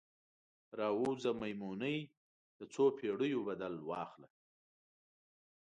راووځه میمونۍ، د څوپیړیو بدل واخله